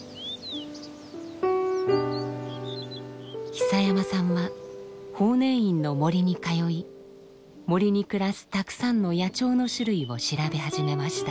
久山さんは法然院の森に通い森に暮らすたくさんの野鳥の種類を調べ始めました。